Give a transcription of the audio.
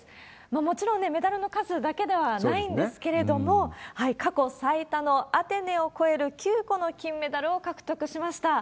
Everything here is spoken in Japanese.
もちろんね、メダルの数だけではないんですけれども、過去最多のアテネを超える９個の金メダルを獲得しました。